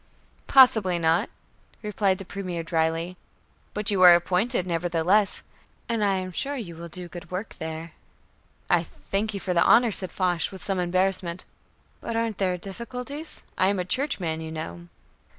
"Possibly not," replied the Premier drily, "but you are appointed nevertheless, and I am sure you will do good work there." "I thank you for the honor," said Foch with some embarrassment, "but aren't there difficulties? I am a Churchman, you know."